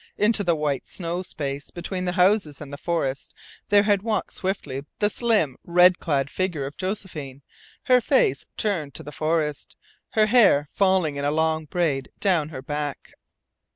Into the white snow space between the house and the forest there had walked swiftly the slim, red clad figure of Josephine, her face turned to the forest, her hair falling in a long braid down her back.